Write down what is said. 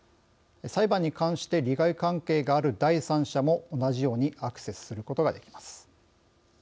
裁判に関して利害関係がある第三者も同じようにアクセスすることができます。